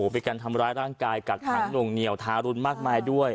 เป็นการทำร้ายร่างกายกักขังหน่วงเหนียวทารุณมากมายด้วย